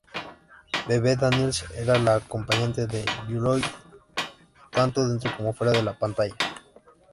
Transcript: Bebe Daniels era la acompañante de Lloyd tanto dentro como fuera de la pantalla.